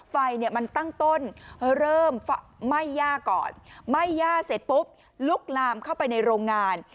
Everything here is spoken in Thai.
ไฟเนี่ยมันตั้งต้นเริ่มไหม้ย่าก่อนไหม้ย่าเสร็จปุ๊บลุกลามเข้าไปในโรงงาน